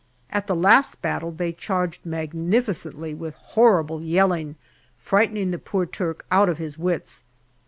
At the last battle they charged magni ficently with horrible yelling, frightening the poor Turk out of his wits.